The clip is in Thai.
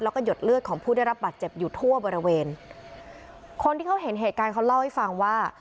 แล้วก็หดเลือดของผู้ได้รับบาดเจ็บอยู่ทั่วบริเวณคนที่เขาเห็นเหตุการณ์เขาเล่าให้ฟังว่า